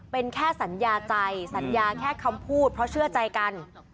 เป็นแค่สัญญาใจสัญญาแค่คำพูดเพราะเชื่อใจกัน